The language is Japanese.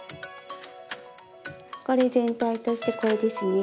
これ全体としてこれですね。